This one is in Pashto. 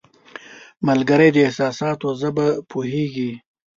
ملګری د احساساتو ژبه پوهیږي